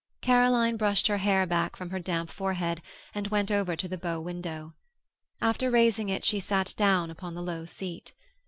Caroline brushed her hair back from her damp forehead and went over to the bow window. After raising it she sat down upon the low seat.